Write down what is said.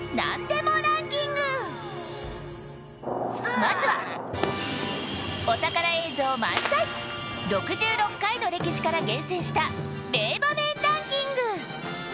まずは、お宝映像満載、６６回の歴史から厳選した名場面ランキング。